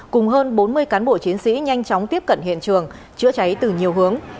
cùng hơn bốn mươi cán bộ chiến sĩ nhanh chóng tiếp cận hiện trường chữa cháy từ nhiều hướng